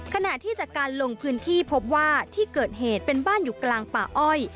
ขณะที่จากการลงพื้นที่พบว่าที่เกิดเหตุเป็นบ้านอยู่กลางป่าอ้อย